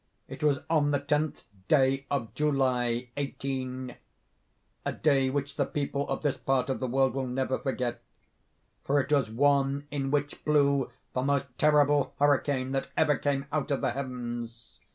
It was on the tenth day of July, 18—, a day which the people of this part of the world will never forget—for it was one in which blew the most terrible hurricane that ever came out of the heavens.